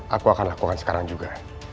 aku akan lakukan sekarang juga